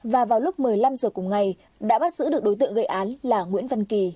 và vào lúc một mươi năm h cùng ngày đã bắt giữ được đối tượng gây án là nguyễn văn kỳ